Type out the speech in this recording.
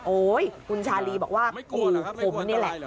โอ๊ยคุณชาลีบอกว่าขู่ผมนี่แหละ